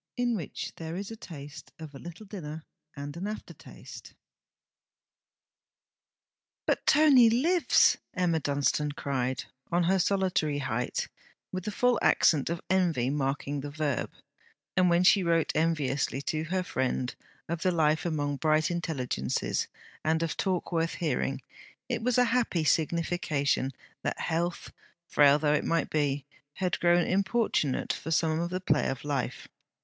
IN WHICH THERE IS A TASTE OF A LITTLE DINNER AND AN AFTERTASTE 'But Tony lives!' Emma Dunstane cried, on her solitary height, with the full accent of envy marking the verb; and when she wrote enviously to her friend of the life among bright intelligences, and of talk worth hearing, it was a happy signification that health, frail though it might be, had grown importunate for some of the play of life.